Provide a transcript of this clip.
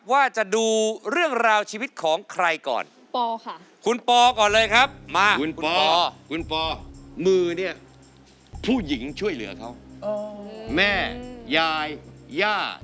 มือเนี่ยผู้หญิงช่วยเหลือเขาเม่ยายย่า